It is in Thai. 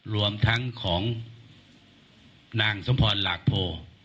รวมทั้งของนางสมพรหลากโพ